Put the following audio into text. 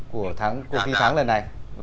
của thi tháng lần này